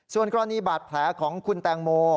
ส่วนกรณีบาดแผลของคุณแตงโม